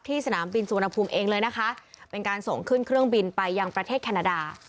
สนามบินสุวรรณภูมิเองเลยนะคะเป็นการส่งขึ้นเครื่องบินไปยังประเทศแคนาดา